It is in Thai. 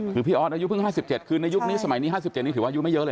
คือพี่ออสอายุ๕๗นึงถือว่ายุไม่เยอะเลย